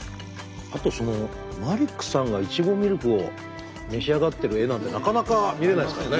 あとマリックさんがいちごミルクを召し上がってる画なんてなかなか見れないですもんね。